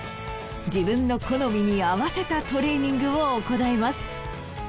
自分の好みに合わせたトレーニングを行えます。